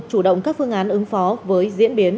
chủ động các phương án ứng phó với diễn biến